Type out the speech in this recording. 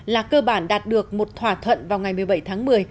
là cơ bản đạt được một thỏa thuận vào ngày một mươi bảy tháng một mươi